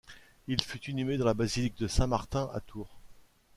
Il fut inhumé dans la basilique de Saint-Martin à Tours.